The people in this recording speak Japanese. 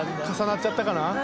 重なっちゃったかな？